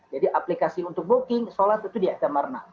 jadi aplikasi untuk booking sholat itu di ait tamarna